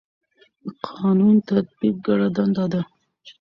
د قانون تطبیق ګډه دنده ده